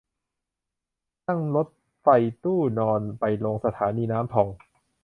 นั่งรถไฟตู้นอนไปลงสถานีน้ำพอง